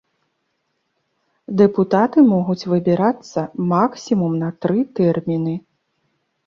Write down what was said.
Дэпутаты могуць выбірацца максімум на тры тэрміны.